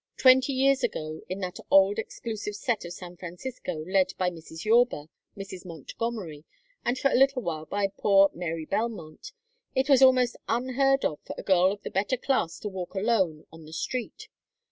Twenty years ago, in that old exclusive set of San Francisco led by Mrs. Yorba, Mrs. Montgomery, and for a little while by poor Mary Belmont, it was almost unheard of for a girl of the better class to walk alone on the street.